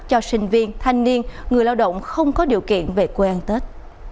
cho sinh viên thanh niên người lao động không có điều kiện về quê ăn tết